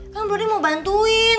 kan broding mau bantuin